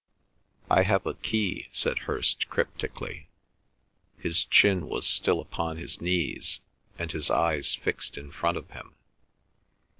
"I have a key," said Hirst cryptically. His chin was still upon his knees and his eyes fixed in front of him.